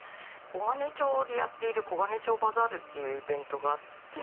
黄金町でやっている黄金町バザールってイベントがあって。